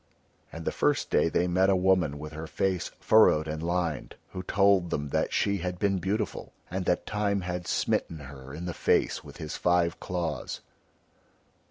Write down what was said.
And the first day they met a woman with her face furrowed and lined, who told them that she had been beautiful and that Time had smitten her in the face with his five claws.